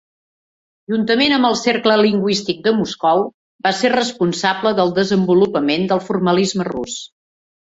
Juntament amb el Cercle Lingüístic de Moscou, va ser responsable del desenvolupament del formalisme rus.